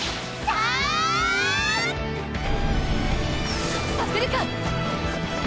させるか！